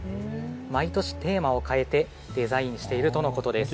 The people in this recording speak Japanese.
毎年テーマを変えてデザインしているということです。